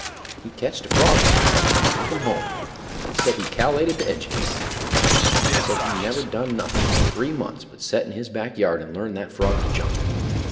He ketched a frog one day, and took him home, and said he cal'lated to educate him; and so he never done nothing for three months but set in his back yard and learn that frog to jump.